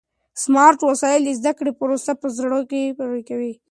سمارټ وسایل د زده کړې پروسه په زړه پورې کوي.